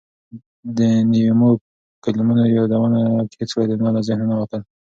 د نویمو کلونو یادونه هیڅکله د ده له ذهنه نه وتل.